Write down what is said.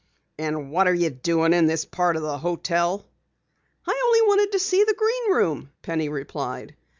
"And what are you doing in this part of the hotel?" "I only wanted to see the Green Room," Penny replied.